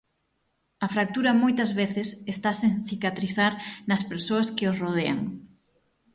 A fractura, moitas veces, está sen cicatrizar nas persoas que os rodean.